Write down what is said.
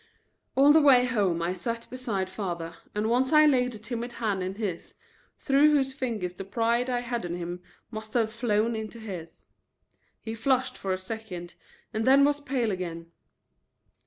All the way home I sat beside father, and once I laid a timid hand in his, through whose fingers the pride I had in him must have flowed into his. He flushed for a second and then was pale again.